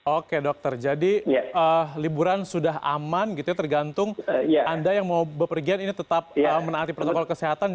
oke dokter jadi liburan sudah aman gitu ya tergantung anda yang mau berpergian ini tetap menaati protokol kesehatan